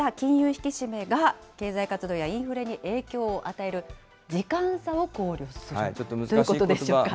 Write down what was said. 引き締めが、経済活動やインフレに影響を与える時間差を考慮すると、どういうことでしょうか。